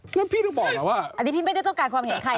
พี่ต้องบอกนะว่าอันนี้พี่ไม่ได้ต้องการความเห็นใคร